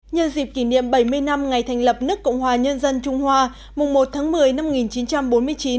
nhân dịp kỷ niệm bảy mươi năm ngày thành lập nước cộng hòa nhân dân trung hoa mùng một tháng một mươi năm một nghìn chín trăm bốn mươi chín